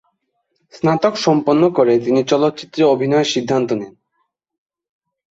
স্নাতক সম্পন্ন করে তিনি চলচ্চিত্রে অভিনয়ের সিদ্ধান্ত নেন।